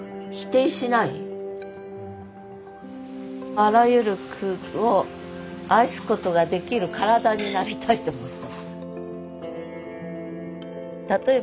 あらゆる句を愛すことができる体になりたいと思って。